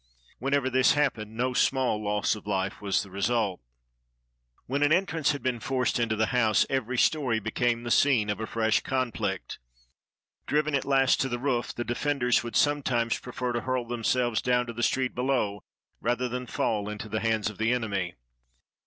Whenever this happened no small loss of life was the result. When an entrance had been forced into the house, every story became the scene of a fresh conflict. Driven at last to the roof, the defenders would sometimes pre fer to hurl themselves down to the street below rather than fall into the hands of the enemy.